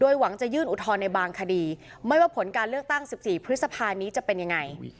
หวังจะยื่นอุทธรณ์ในบางคดีไม่ว่าผลการเลือกตั้ง๑๔พฤษภานี้จะเป็นยังไง